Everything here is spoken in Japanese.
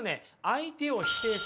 「相手を否定する」